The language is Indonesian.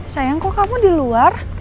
sayang kok kamu di luar